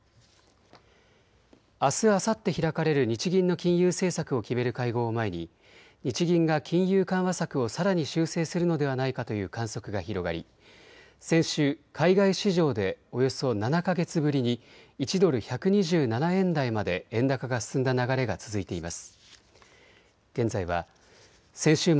あす、あさって開かれる日銀の金融政策を決める会合を前に日銀が金融緩和策をさらに修正するのではないかという観測が広がり、先週、海外市場でおよそ７か月ぶりに１ドル１２７円台まで円高が進んだ流れが続いています。